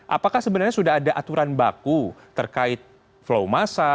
apakah sebenarnya sudah ada aturan baku terkait flow masa